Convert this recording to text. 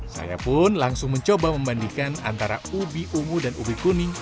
saya pun langsung mencoba membandingkan antara ubi ungu dan ubi kuning